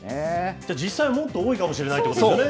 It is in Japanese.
じゃあ、実際はもっと多いかもしれないということですよね。